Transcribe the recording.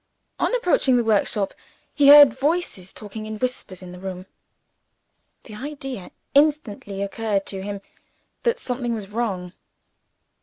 On approaching the workshop, he heard voices talking in whispers in the room. The idea instantly occurred to him that something was wrong.